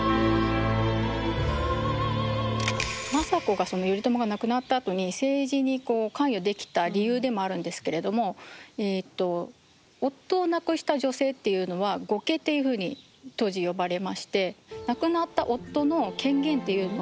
政子が頼朝が亡くなったあとに政治に関与できた理由でもあるんですけれども夫を亡くした女性っていうのは後家っていうふうに当時呼ばれまして。